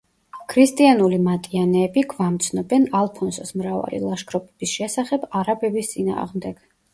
ქრისტიანული მატიანეები გვამცნობენ ალფონსოს მრავალი ლაშქრობების შესახებ არაბების წინააღმდეგ.